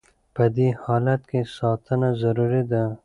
په دې حالت کې ساتنه ضروري ده.